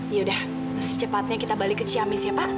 yaudah secepatnya kita balik ke ciamis ya pak